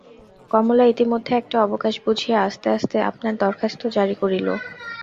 কমলা ইতিমধ্যে একটা অবকাশ বুঝিয়া আস্তে আস্তে আপনার দরখাস্ত জারি করিল।